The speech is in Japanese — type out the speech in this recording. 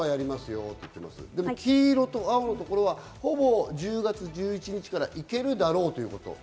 でも黄色と青のところは、ほぼ１０月１１日からいけるだろうということ。